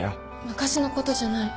昔のことじゃない。